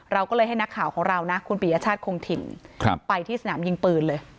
เราก็เลยให้นักข่าวของเรานะคุณปียชาติคงถิ่นไปที่สนามยิงปืนเลย